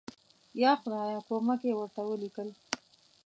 یا خدایه کومک یې ورته ولیکل.